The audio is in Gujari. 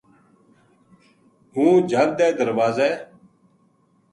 ہوں جھَب دے درواز ے